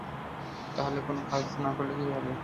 তাহলে, ফোন কাজ না করলে কি হবে?